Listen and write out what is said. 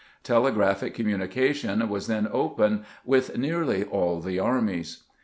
Telegraphic communication was then open with nearly aU the armies.